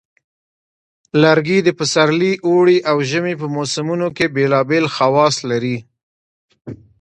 لرګي د پسرلي، اوړي، او ژمي په موسمونو کې بیلابیل خواص لري.